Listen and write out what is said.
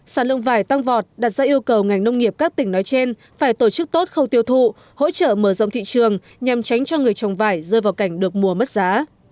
sản lượng vải tăng vọt đặt ra yêu cầu ngành nông nghiệp các tỉnh nói trên phải tổ chức tốt khâu tiêu thụ hỗ trợ mở rộng thị trường nhằm tránh cho người trồng vải rơi vào cảnh được mùa mất giá